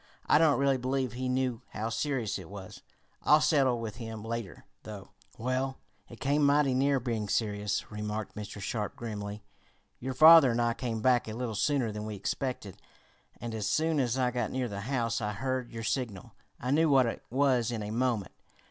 I don't really believe he knew how serious it was. I'll settle with him later, though." "Well, it came mighty near being serious," remarked Mr. Sharp grimly. "Your father and I came back a little sooner than we expected, and as soon as I got near the house I heard your signal. I knew what it was in a moment.